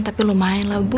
tapi lumayan lah bu